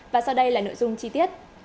và sau đây là nội dung chi tiết